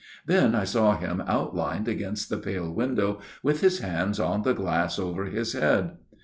Then I saw him outlined against the pale window with his hands on the glass over his head.